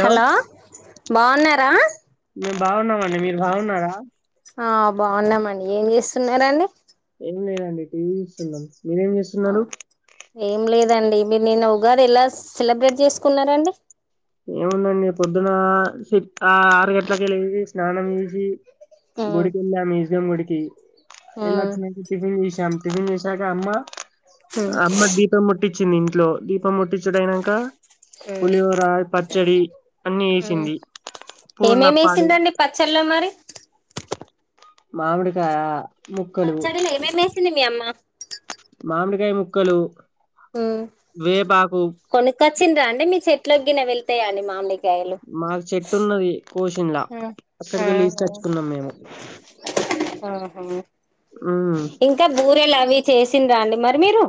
Hello బాగున్నారా మేము బాగున్నామండి మీరు బాగున్నారా ఆ బాగున్నామండి ఏం చేస్తున్నరండి ఎం లేదండి టీవీ చూస్తున్నాను మీరేం చేస్తున్నారు దండి మీరు నిన్న ఉగాది ఎలా సెలబ్రేట్ చేసుకున్నరండి ఏముందండి పొద్దున ఆ ఆరు గంట్లకే లేసి స్నానం చేసి ఆ గుడి కెళ్ళం మీ ఎం గుడికి ఆ ఎల్లి అచ్చినంక టిఫిన్ చేసాం టిఫన్ చేసి గాద అమ్మ అమ్మ దీపం ముట్టి వచ్చింది ఇంట్లో పం ముట్టించుడు అయినంక పులిహోర పచ్చడి అన్ని చేసింది ఏమేమి పూర్ణప్పాలు వేసిండ్రండి పచ్చళ్ళలో మరి మామిడికాయ ముక్కలు పచ్చడల ఏమే మేసింది మీ అమ్మ మామిడికాయ్ ముక్కలు వేపాకు చిండ్ర అండి మి చెట్లకి గిన వెళ్తయండి మామిడి మాకు చెట్టు ఉన్నది కోచిలా ఆ ఆ అక్కడిక వెళ్ళి ఇసిచ్చుకున్నాం మేము ఆహా హ్మ్ ఇంక బూరెలు అవి చేసి తినరా అండి మరి మీరు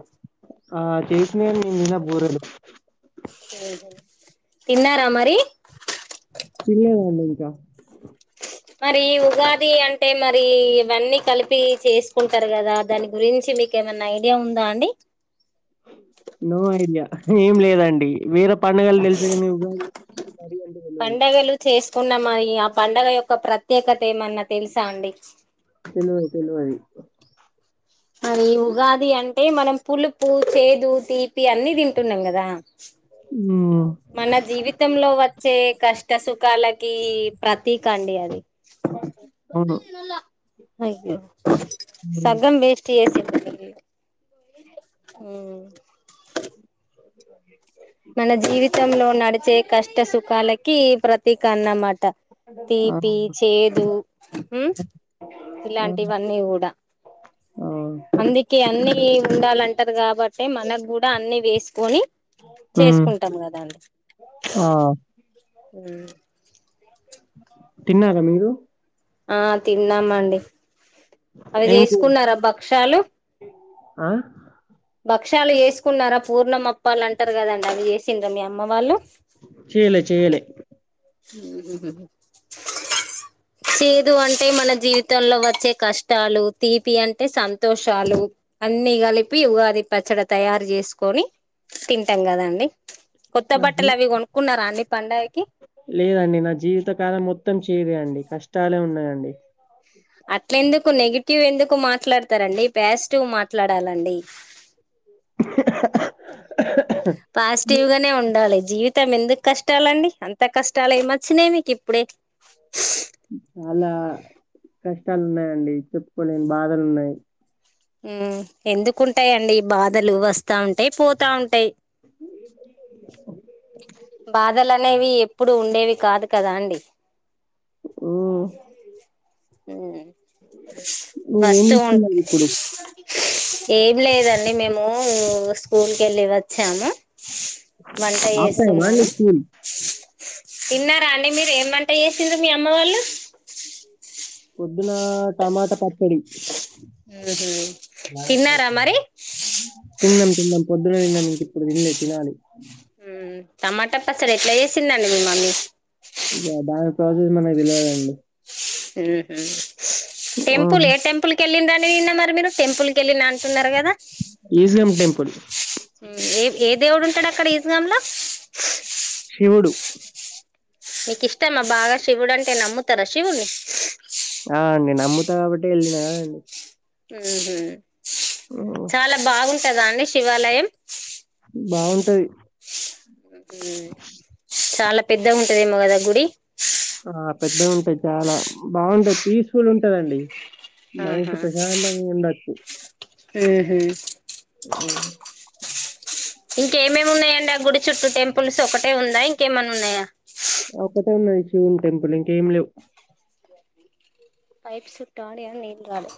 ఆ చేసినంలే నిన్న బూరెలు తిన్నారా మరి పిల్లదడికా మరి ఉగాది అంటే మరి ఇవన్నీ కలిపి చేసుకుంటారు కదా దాని గురించి మీకు ఏమైనా ఐడియా ఉందా అండి నో ఐడియా ఏం లేదండి వేరు పండగల్ తెలుసు గని ఉగాది అంటె మరీ అంత తెల్వదు ఉన్నమా ఇగ ఆ పండగ యొక్క ప్రత్యేకత ఏమన్నా తెలుసా అండి తెల్వదు తెల్వదు అది ఉగాది అంటే మనం పులుపు చేదు తీపి అన్ని తింటున్నాం కదా హ్మ్ మన జీవితంలో వచ్ చ్చే కష్ట సుఖాలకి ప్రతీక అండి అది [unintelligible] అవును ఐలో సగం వేస్ట్ చేసి [unintelligible] ఊ మన జీవితంలో నడి వచ్చే కష్ట సుఖాలకి ప్రతీక అన్నమాట ఆ తీపి చేదు హు ఆ ఇలాంటివన్ని కూడా అందుకే అన్ని కీ ఉండాలంటారు కాబట్టి మనం కూడా అన్ని వేసుకొని హ్మ్ చేసుకుంటాం కదా అండి ఆ ఉమ్ తిన్నారా మీరు ఆ తిన్నామండి అవి ఏం కూర చేసుకున్నారా భక్షాలు ఆ భక్షాలు వేసుకున్నారా పూర్ణమ వాళ్ళు అంటారు కదండి అది చేసిండ్రా అమ్మ వాళ్ళు చేయలె చేయలె చేదు అంటే మన జీవితంలో వచ్చే కష్టాలు తీపి అంటే సంతోషాలు అన్ని కలిపి ఉగాది పచ్చడి తయారు చేసుకొని తింటాం కదండి కొత్త నా జీ బట్టలు అవి కొనుక్కున్నారా అండి పండుగకి లేదండి నా జీవితకాలం మొత్తం చేదే అండి కష్టాలే ఉన్నాయండి అట్ల ఎందుకు నెగిటివ్ ఎందుకు మాట్లాడతారండి పాజిటివ్ మాట్లాడాలండి పాజిటివ్ గానే ఉండాలి జీవితం ఎందుకు కష్టాలండి అంత కష్టాలు ఏ వచ్చినాయి మీకు ఇప్పుడే చాలా కష్టాలు ఉన్నాయండి చెప్పుకోలేని బాధలు ఉన్నాయి ఊ ఎందుకుంటాయిండి బాధలు వస్తా ఉంటాయి పోతా ఉంటాయి బాధలు అనేవి ఎప్పుడు ఉండేవి కాదు కదా అండి ఊ ఉమ్ ఏమి తిన్నారు ఇప్పుడు ఏమి లేదండి మేము స్కూల్ కి వెళ్ళి వచ్చాము వంట హాఫ్ టైమా అండి చేస్తున్నాను స్కూల్ తిన్నారా అండి మీరు ఏం అ వేసింద మీ అమ్మ వాళ్ళు పొద్దున టమాట పచ్చడి ఉహు తిన్నారా మరి తిన్నాం తిన్నాం పొద్దున తిన్నాం ఇప్పుడు తిన్లే తినాలి మ్ టమాటా పచ్చడి ఎట్లా చేేసిందండి మీ మమ్మీ ఇగ దాని ప్రాసెస్ మనకి తెలవదండి మ్ హూ టెంపుల్ ఏ టెంపుల్ కెళ్ళిండ్ర నే నా మరి మీరు టెంపుల్ కెళ్ళినా అంటున్నారు కదా ఈజియం టెంపుల్ ఉమ్ ఏ ఏ దేవుడు ఉంటాడ క్కడ ఈజినం ల శివుడు నీకిష్టమా బాగా శివుడు అంటే నమ్ముతారా శివుడ్ని ఆ అండి నమ్ముతా కాబట్టి వెళ్ళినా అండి ఊహూ ఆ, చాలా బాగుం టదా అండి శివాలయం బాగుంటది చాలా పెద్ద ఉ టదేమో కద గుడి ఆ పెద్దగా ఉంటాది చాలా బావుంటది పీస్ఫుల్ ఉంటదండి మనుషి ప్రశాంతంగా ఉండచ్చు ఊహూ ఓ ఇంకేమేమి ఉన్నాయండి ఆ గుడి చుట్టూ టెంపుల్స్ ఒకటే ఉందా ఇంకేమన్నున్నయా ఒకటే ఉన్నది శివుని టెంపుల్ ఇంకేం లేవు పైప్ చుట్టడి అ నీళ్ళు రాలే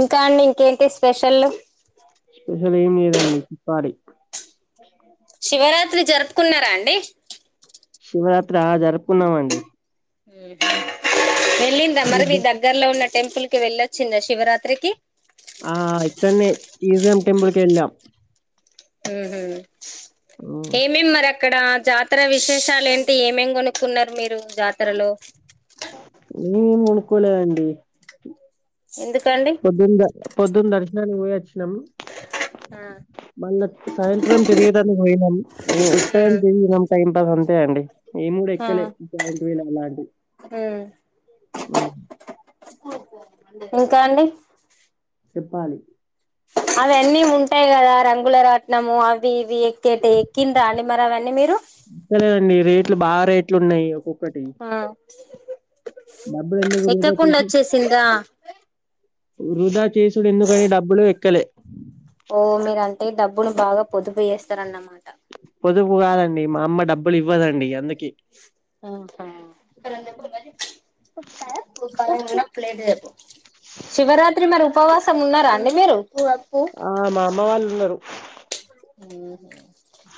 ఇంకా అండి ఇంకేంటి స్పెషళ్ళు స్పెషల్ ఏం లేదండి చెప్పాలి శివరాత్రి జరుపుకున్నారా అండి శివరాత్రా జరుపుకున్నామండి [unintelligible] వెళ్లిందా మరి మీ మీకు దగ్గరలో ఉన్న టెంపుల్ కి వెళ్ళొచ్చిందా శివరాత్రికి ఆ ఇక్కడనే ఈశ్వరుని టెంపుల్ కెళ్ళాం ఉహూ హ్మ్. ఏమేం మర క్కడ జాతర విశేషాలు ఏంటి ఏమేం కొనుక్కున్నారు మీరు జాతరలో ఈ ఏమి కొనుక్కోలే అండి ఎందుకండి పొద్దుందా పొద్దుంద [unintelligible] దానికి పోయొచ్చ్ నాం ఆ మళ్ళ సాయంత్రం తిరిగేదానికి పోయినాం ఏ ఉత్తగనే ఉమ్ తిరిగినాం టైం పాస్ అంతే అండి ఏం కూడా ఆ ఎక్కలే జైంట్ వీల్ అలాంటివి ఉమ్ ఇంకా అండి చెప్పాలి అవి అన్నీ ఉంటాయి కదా రంగులరాట్నము అవి ఇవి కేేటి ఎక్కిండ్రా అండి మరి అవన్నీ మీరు ఎక్కలేదండి రేట్లు బాగా రేట్లు ఉన్నాయి ఆ డబ్బులు ఎందుకు వృధా ఎక్కకుండా చేసి వచ్చేసింరా వృధా కేసుడు ఎందుకని డబ్బులు ఎక్కలే ఓ మీరు అంటే డబ్బుని బాగా పొదుపు చేస్తారన్న మాట పొదుపు కాదండి మీ మా అమ్మడబ్బ ఉహు పళ్లెంలో ప్లేటు తేపు శివరాత్రి మరి ఉపవాసం ఉన్నారా అండి మీరు ఆ మా అమ్మ వాళ్ళు ఉన్నారు హ్మ్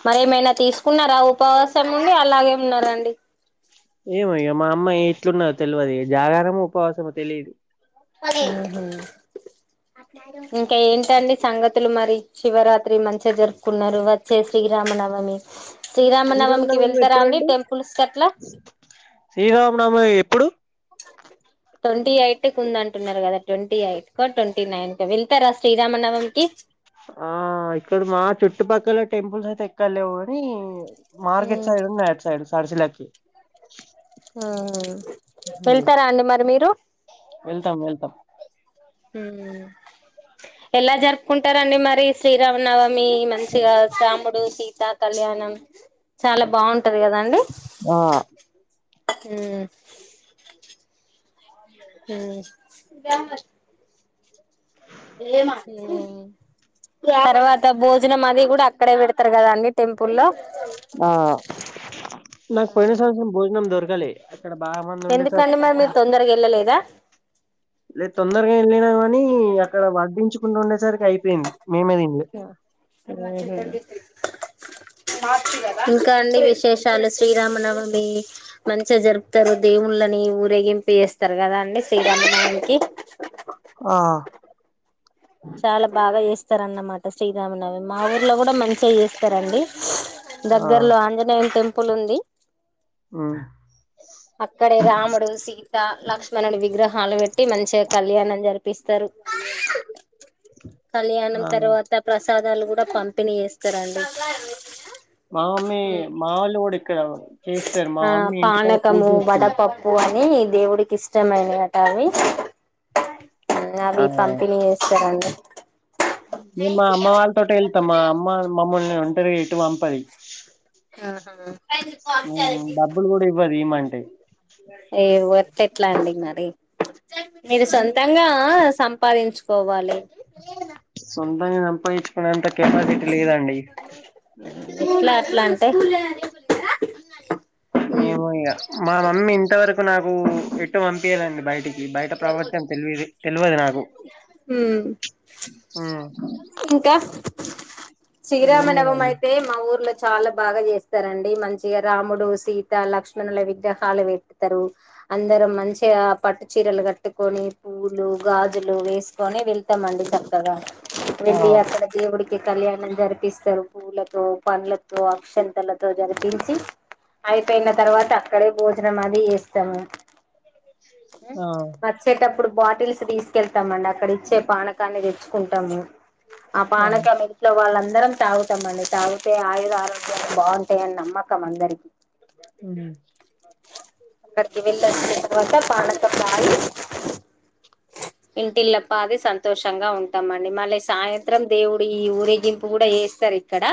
మరి ఏమైనా తీసు ఉన్నారా ఉపవాసం నుండి అలాగే ఉన్నారండి ఏమయ మా అమ్మ ఎట్లున్నో తెలియదుక జాగరముో ఉపవాసమో తెలీదు హ ఇంకా ఏంటండి సంగతులు మరి శివరాత్రి మంచిగా జరుపుకున్నారు వచ్చే శ్రీరామనవమి శ్రీరామ శ్రీరామనవమికి నవమి వెళ్తారా అండి ఎప్పుడుండి టెంపుల్స్ కట్లా శ్రీరామనవ ఇప్పుడు ట్వంటీ ఎయిట్ ఉంద అంటున్నారు కదా ట్వంటీ ఎయిట్ క ట్వంటీ నైన్ క వెళ్తారా శ్రీరామనవమీ కి ఆ ఇక్కడ మా చుట్టుపక్కల టెంపుల్స్ అయితే ఎక్కలేవు గని మార్కెట్ సైడ్ ఉన్నాయి అటు సైడ్ సరిసిల ఓకే ఆ వెళ్తారా అండి మరి మీరు వెళ్తాం వెళ్తాం ఎలా జరుపుకుంటారండి మరి శ్రీరామనవ మీ మంచిగా సా ఇప్పుడు సీతా కళ్యాణం చాలా బాగుంటది కదాండి ఆ హ్మ్ హ్మ్ బ తర్వాత భోజనం అది కూడా అక్కడే పెడతారు కదా అండి టెంపుల్లో ఆ నాకు పోయిన సంవాచరం భోజనం దొరిక అ కల ఎందుకండి మరి మీరు తొందరగా వెళ్ళలేదా ఇ తొందరగా ఇల్ నా కానీ అక్కడ వర్డించుకుంటూ ఉండేసరికి అయిపోయింది మేమేది ఇ ఆ ఇంకా అండి విశేషాలు శ్రీరామనవమి మంచిగా జరుపుతారు దేవుళ్ళని ఊరేగింపి చేస్తారు కదా అండి శ్రీరామనవమికి ఆ చాలా బాగా చెస్ స్తారన్నమాట శ్రీరామనవి మా ఊర్లో కూడా మంచిగా చేస్తారండి ఆ దగ్గర్లో ఆంజనేయ టం పుల్ ఉంది మ్మ్ అక్కడే రాముడు సీత లక్ష్మణడి విగ్రహం హాలు పెట్టి మంచిగా కళ్యాణం జరిపిస్తారు కళ్యాణం ఆ తర్వాత ప్ర ప్రసాదాలు కూడా పంపిణీ చేస్తారంండి మమ్మీ మావలు కూడా ఇక్కడ చే సార్ మా మమ్మీ ఇంటికాడ పూజ చేస్తంది కాని దేవుడికి ఇష్టమైన అట అవి అవి పంపిణీ చేస్తారంండి మేము మా అమ్మ వాళ్ళతోట వెళ్తాం మా అమ్మ మమ్మల్ని ఒంటరిగా ఎటు పంపది ఆహా ఉమ్, డబ్బులు కూడా ఇవ్వదు ఇమంటే ఏ వతే ఎట్లా అండి ఇంకా వై మీరు సొంతంగా సంపాదించు కోవాలి పోయిట్ ఇట్లా అట్లా అంటే ఉమ్ ఏమో ఇక మా మమ్మీ ఇంతవరకు నాకు ఇటు పంపి పంపియదండి హ్మ బయటికి బయట ప్రపంచం తెవి తెలియదు నాకు ఉమ్ ఇంకా ఏం శ్రీరామనవమ లేదండి అయితే మా ఊర్ల చాలా బాగా చేస్తారుడి మంచిగా రాముడు సీత లక్ష్మణుల విగ్రహాలు పెతారు అందరం మంచిగా పట్టు చీరలు కట్టుకొని పూలు గాజులు వేసుకొని వెళ్తామండి చక్కగా ఆ వెళ్లి అక్కడ ద గుడికి కళ్యాణం జరిపిస్తారు పూలతో పండ్లతో అక్షంతలతో జరిపించి అయిపోయిన తర్వాత అక్కడే భోజనం అది చేస్తాము ఆ వచ్చేటప్పుడు బాటిల్స్ తీసుకెళ్తాం పెట్టమండి అక్కడ ఇచ్చే పానకానికి తెచ్చుకుంటాం కుంటాము ఆ పానకం ఇంట్లో వాళ్ళందరూ అందరం తాగుతాంమండి తాగుతే ఆయుర ఆరోగ్యాలు బాగుంటాయని నమ్మకం అందరికీ హుమ్ అక్కడికి వెళ్ళొచ్చిన తర్వాత పండతో పాది ఇంటిల పాది సంతోషంగా ఉంటాంమండి మళ్ళీ సాయంత్రం దేవుడు ఈ ఊరేగింపు కూడా వస్తారు ఇక్కడ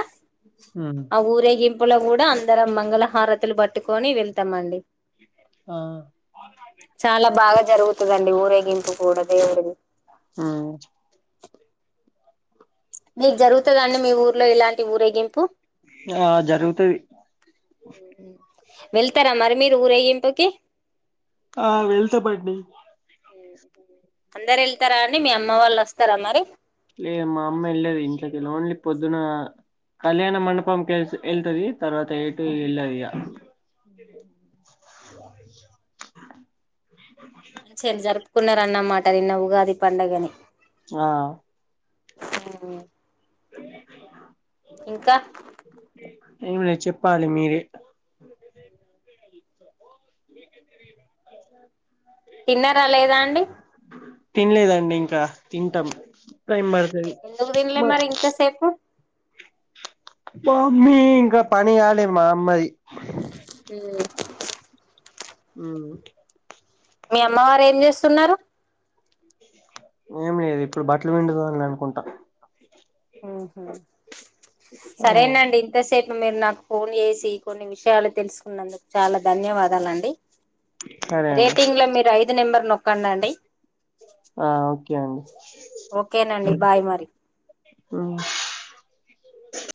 ఉమ్ ఆ ఊరేగింపు లోప్పుల కూడా అందరం మంగళహారతులు పట్టుకొని వెళ్తామండి ఆ చాలా బాగా జరుగుతు ఇదండి ఊరేగింపు కూడా దేవుడిది ఆ మీకు జరుగుతుందండి మీ ఊర్లో ఇలాంటి ఊరెగింపు ఆ జరుగుతుది వెళ్తారా మరి మీరు ఊరేగింపు ఆ వెళ్తే మడి అందరు వెళ్తారండి అని మీ అమ్మ వాళ్ళు వస్తారా మరి లే మా అమ్మ వెళ్ళది ఇంట్కళ్ళ ఓన్లీ పొద్దున కళ్యాణ మండపంకి వెళ్తుది తర్వాత ఎటు వెళ్ళది ఇగ [unintelligible] చేర జరుత కున్న రన్నమాట నిన్న ఉగాది పండగని ఆ అ ఇంకా ఏమి లే చెప్పాలి మీరే ఆ తిన్నారా లేదా అండి తినలేదండి ఇంకా తింటాం టైం పడుతది ఎందుకు తినలే మా మరి ఇంతసేపు మామ్మీ ఇంకా పనిలి మా అమ్ మది ఆ మీ అమ్మవారు ఏం చేస్తున్నారు? ఏం లేదు ఇప్పుడు బట్టలు పిండుదా అని అనుకుంటా. ఉహ ఆ సరేనండి ఇంతసేపు మీరు నాకు ఫోన్ చేసి కొన్ని విషయాలు తెలుసుకున్నందుకు చాలా ధన్యవాదాలండి. సరే అండి రేటింగ్ లో మీరు ఐదు నెంబర్ న కన్నాండి ండి [unintelligible] ఓకేనండి బాయ్ మరి. ఆ [unintelligible]